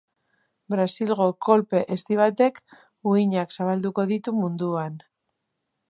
Brasilgo kolpe ezti batek uhinak zabalduko ditu munduan.